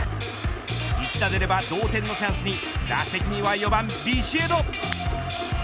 一打出れば同点のチャンスに打席には４番ビシエド。